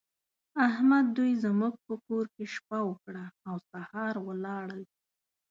احمد دوی زموږ په کور کې شپه وکړه او سهار ولاړل.